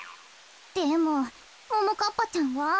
でもももかっぱちゃんは？